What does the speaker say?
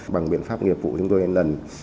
bằng biện pháp nghiệp vụ chúng tôi lần